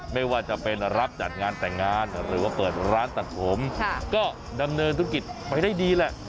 ไม่ว่าจะเป็นรับจัดงานแต่งงานหรือว่าเปิดร้านตัดผมก็ดำเนินธุรกิจไปได้ดีแหละ